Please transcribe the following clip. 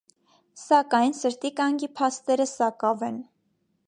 Սակայն, սրտի կանգի փաստերը սակավ են։